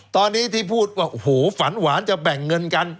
ตอนนี้ที่พูดว่าโอ้โหฝันหวานจะแบ่งเงินกัน